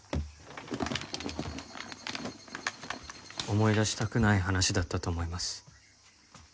思い出したくない話だったと思います。